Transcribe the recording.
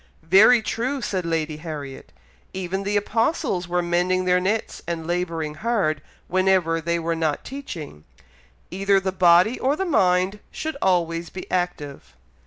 "Very true!" said Lady Harriet. "Even the apostles were mending their nets and labouring hard, whenever they were not teaching. Either the body or the mind should always be active."